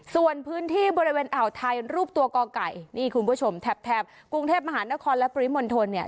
ส่วนพื้นที่บริเวณอ่าวไทยรูปตัวก่อไก่นี่คุณผู้ชมแถบกรุงเทพมหานครและปริมณฑลเนี่ย